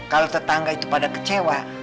kalau tetangga itu pada kecewa